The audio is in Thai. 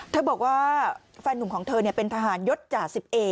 บอกว่าแฟนนุ่มของเธอเป็นทหารยศจ่า๑๑